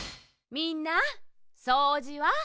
みんなそうじは？